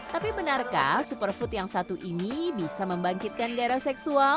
tapi benarkah superfood yang satu ini bisa membangkitkan gairah seksual